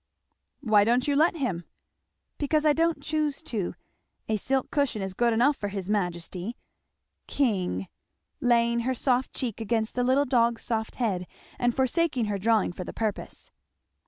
"Why don't you let him?" "Because I don't choose to a silk cushion is good enough for his majesty. King! " (laying her soft cheek against the little dog's soft head and forsaking her drawing for the purpose.)